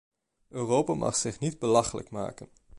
Europa mag zich niet belachelijk maken.